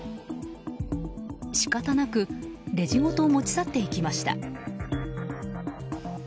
仕方なくレジごと持ち去っていきました。